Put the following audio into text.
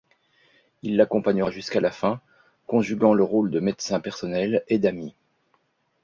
Il l'accompagnera jusqu'à la fin, conjuguant le rôle de médecin personnel et d'ami.